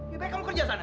ya baik kamu kerja sana